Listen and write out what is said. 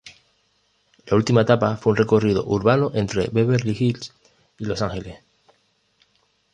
La última etapa fue un recorrido urbano entre Beverly Hills y Los Ángeles.